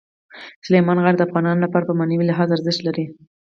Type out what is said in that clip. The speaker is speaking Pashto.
سلیمان غر د افغانانو لپاره په معنوي لحاظ ارزښت لري.